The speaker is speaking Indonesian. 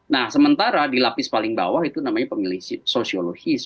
nah sementara di lapis paling bawah itu namanya pemilih sosiologis